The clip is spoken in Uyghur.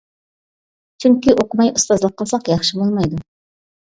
چۈنكى «ئوقۇماي ئۇستازلىق قىلساق» ياخشى بولمايدۇ.